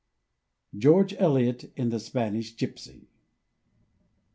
George Eliot, in the Spanish Gypsy.